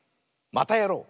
「またやろう！」。